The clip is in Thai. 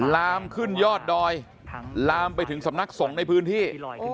ลามขึ้นยอดดอยลามไปถึงสำนักสงฆ์ในพื้นที่